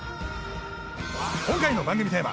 今回の番組テーマ